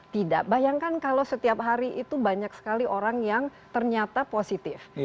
tidak bayangkan kalau setiap hari itu banyak sekali orang yang ternyata positif